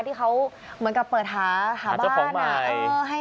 ที่เขาเหมือนกับเปิดหาบ้านหาเจ้าของใหม่